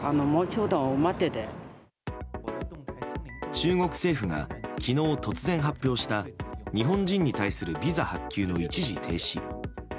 中国政府が昨日、突然発表した日本人に対するビザ発給の一時停止。